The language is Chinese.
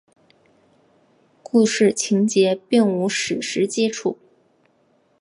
故事情节并无史实基础。